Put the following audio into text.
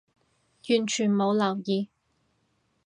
完全冇留意